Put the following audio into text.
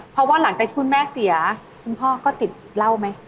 เพราะว่าหลังจากที่คุณแม่เสียคุณพ่อก็ติดเหล้าไหม